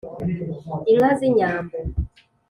inka z’inyambo.